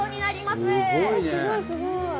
すごいすごい！